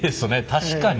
確かに。